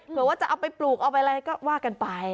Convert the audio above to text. เผื่อว่าจะเอาไปปลูกเอาไปอะไรก็ว่ากันไป